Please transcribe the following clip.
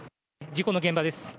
事故の現場です。